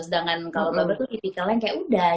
sedangkan kalau baber itu tipikalnya kayak udah